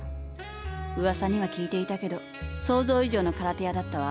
うわさには聞いていたけど想像以上のカラテアだったわ。